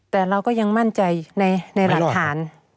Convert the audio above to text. แต่เราก็ยังมั่นใจในหลักฐาน